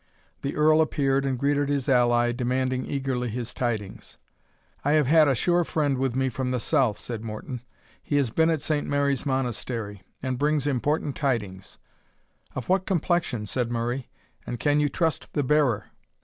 The Earl appeared, and greeted his ally, demanding eagerly his tidings. "I have had a sure friend with me from the south," said Morton; "he has been at Saint Mary's Monastery, and brings important tidings." "Of what complexion?" said Murray, "and can you trust the bearer?"